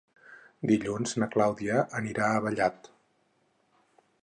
Dilluns na Clàudia anirà a Vallat.